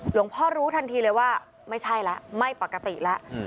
พ่อรู้ทันทีเลยว่าไม่ใช่แล้วไม่ปกติแล้ว